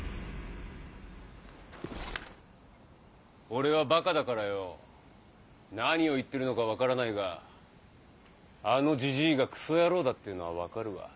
俺はバカだからよぉ何を言ってるのか分からないがあのジジィがクソ野郎だっていうのは分かるわ。